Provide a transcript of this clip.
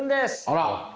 あら。